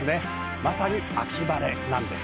まさに秋晴れなんです。